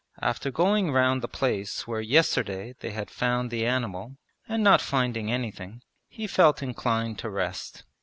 After going round the place where yesterday they had found the animal and not finding anything, he felt inclined to rest.